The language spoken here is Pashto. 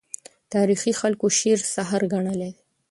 تاریخي خلکو شعر سحر ګڼلی دی.